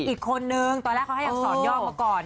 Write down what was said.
อีกคนนึงตอนแรกเขาให้อักษรย่อมาก่อน